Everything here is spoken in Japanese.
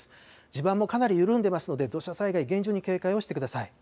地盤もかなり緩んでいますので、土砂災害、厳重に警戒をしてください。